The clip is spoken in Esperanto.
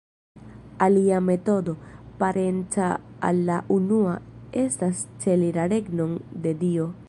Alia metodo, parenca al la unua, estas celi la regnon de Dio.